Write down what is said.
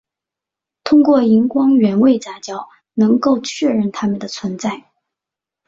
通过荧光原位杂交能够确认它们的存在。